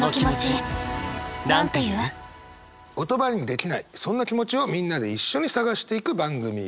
言葉にできないそんな気持ちをみんなで一緒に探していく番組です。